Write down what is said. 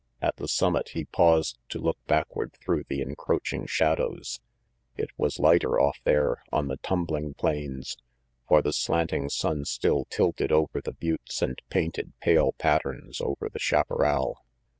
At the summit, he paused to look backward through the encroaching shadows. It was lighter off there on the tumbling plains, for the slanting sun still tilted over the buttes and painted pale patterns over the chaparral.